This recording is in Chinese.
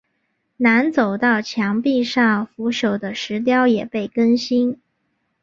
南走道墙壁上腐朽的石雕也被更新。